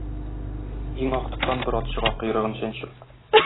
Иң актыктан бер ат чыга койрыгын чәнчеп.